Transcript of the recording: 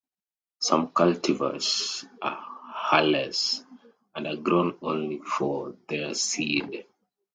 Some cultivars are hulless, and are grown only for their seed.